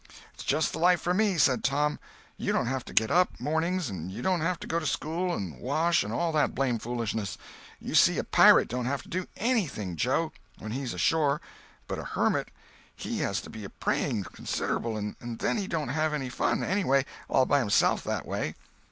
"It's just the life for me," said Tom. "You don't have to get up, mornings, and you don't have to go to school, and wash, and all that blame foolishness. You see a pirate don't have to do anything, Joe, when he's ashore, but a hermit he has to be praying considerable, and then he don't have any fun, anyway, all by himself that way."